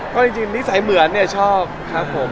ก็จริงนิสัยเหมือนเนี่ยชอบครับผม